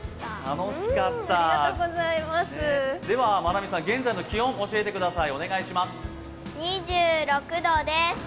では、まみなさん、現在の気温を教えてください。